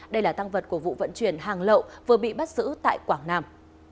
đây là tăng vật của vụ vận chuyển hàng lậu vừa bị bắt giữ tại quảng nam